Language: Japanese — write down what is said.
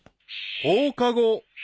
［放課後］